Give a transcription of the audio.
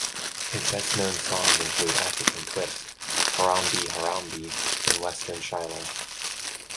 His best-known songs include "African Twist", "Harambee Harambee" and "Western Shilo".